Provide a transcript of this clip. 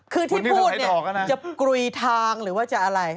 คือที่พูดเนี่ยจะกลุยทางหรือว่าจะอะไร